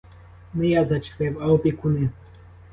Не я зачепив, а опікуни.